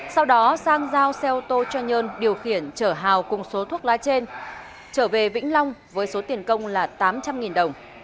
sau đó sang giao xe ô tô cho nhơn điều khiển trở hào cùng số thuốc lá trên trở về vĩnh long với số tiền công là tám trăm linh đồng